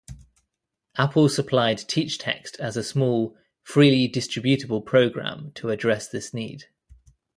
Apple supplied TeachText as a small, freely-distributable program to address this need.